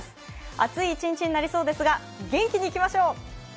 暑い一日になりそうですが、元気にいきましょう！